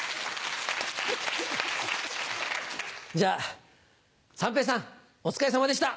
じゃあ三平さんお疲れさまでした。